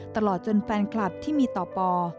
ตลอดจนแฟนคลับที่มีต่อปอ